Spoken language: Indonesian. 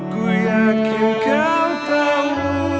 ku yakin kau tahu